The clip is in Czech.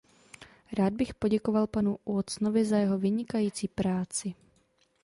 Rád bych poděkoval panu Watsonovi za jeho vynikající práci.